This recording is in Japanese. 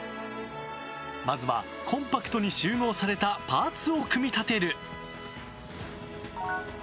まずはコンパクトに収納されたパーツを組み立てる。